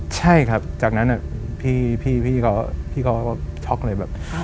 ใช่ครับจากนั้นพี่เขาก็ช็อกเลยแบบ